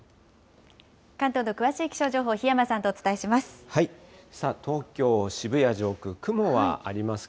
関東の詳しい気象情報、檜山さんとお伝えします。